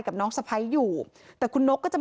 สวัสดีคุณผู้ชายสวัสดีคุณผู้ชาย